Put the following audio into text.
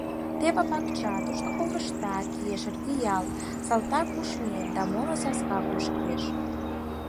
Теве пакча, тушто ковышта, кешыр, кияр, салтакушмен да моло саска кушкеш.